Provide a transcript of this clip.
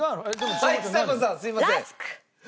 すいません。